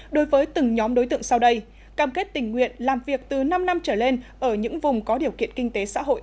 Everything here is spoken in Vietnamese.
đối với từng nhóm đối tượng sau đây cam kết tình nguyện làm việc từ năm năm trở lên ở những vùng có điều kiện kinh tế xã hội